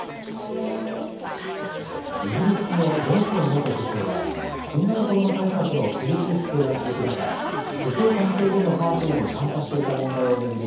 イギリスのジョンソン元首相は新型コロナ対策の厳しい規制が続く中、首相官邸でのパーティーに参加していた問題を巡り